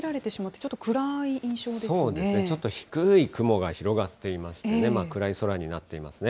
ちょっと低い雲が広がっていましてね、暗い空になってますね。